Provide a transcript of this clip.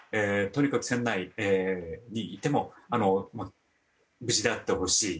とにかく船内にいても無事であってほしい。